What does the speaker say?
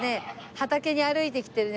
畑に歩いてきてるね